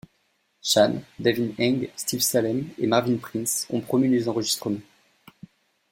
Shan, David Eng, Steve Salem et Marvin Prince ont promu les enregistrements.